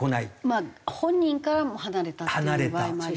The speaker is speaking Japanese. まあ本人からも離れたっていう場合もあります。